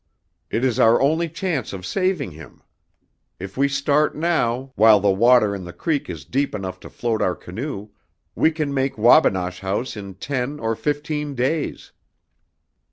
"It is our only chance of saving him. If we start now, while the water in the creek is deep enough to float our canoe, we can make Wabinosh House in ten or fifteen days."